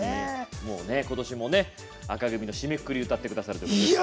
今年も紅組の締めくくり歌ってくださるということで。